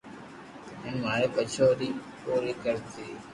ھين ماري ٻچو ري بو پوري ڪروي